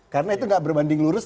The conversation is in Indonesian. karena itu tidak berbanding lurus